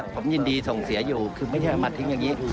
ผมยินดีส่งเสียอยู่คือไม่ใช่เอามาทิ้งอย่างนี้